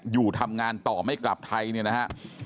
อยู่ทำงานต่อไม่กลับไทยเนี่ยนะฮะ